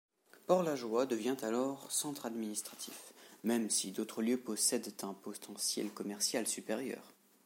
Port-LaJoye devient alors centre administratif, même si d'autres lieux possèdent un potentiel commercial supérieur.